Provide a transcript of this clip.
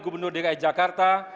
gubernur dki jakarta